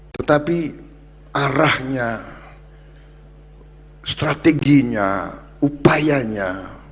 tetapi arahnya strateginya upayanya